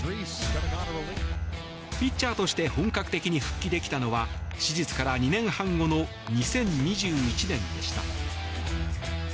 ピッチャーとして本格的に復帰できたのは手術から２年後の２０２１年でした。